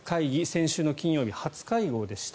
先週の金曜日、初会合でした。